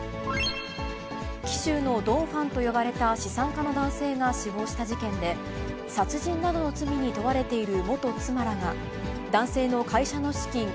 紀州のドン・ファンと呼ばれた資産家の男性が死亡した事件で、殺人などの罪に問われている元妻らが、男性の会社の資金